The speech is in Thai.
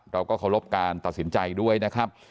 เราก็เคารพการตัดสินใจด้วยนะครับ